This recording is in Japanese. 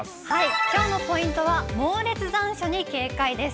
きょうのポイントは猛烈残暑に警戒です。